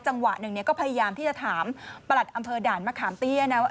จังหวะหนึ่งก็พยายามที่จะถามประหลัดอำเภอด่านมะขามเตี้ยนะว่า